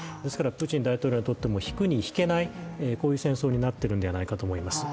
プーチン大統領にとっても引くに引けない、こういう戦争になってるんではないかと思います。